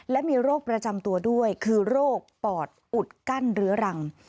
และมีโรคประจำตัวด้วยคือโรคปอดอุดกั้นเรื้อรัง